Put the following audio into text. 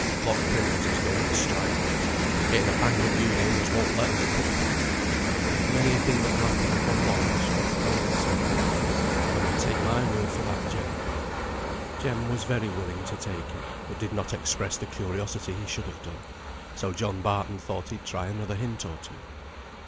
Block printers is going to strike; they'n getten a bang up union, as won't let 'em be put upon. But there's many a thing will happen afore long, as folk don't expect. Yo may take my word for that, Jem." Jem was very willing to take it, but did not express the curiosity he should have done. So John Barton thought he'd try another hint or two.